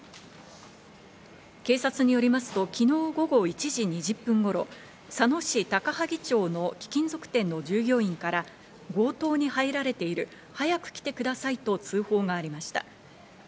警察によりますと昨日午後１時２０分頃、佐野市高萩町の貴金属店の従業員から強盗に入られている、早く来てくださいと通報がありました。